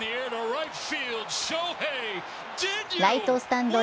ライトスタンド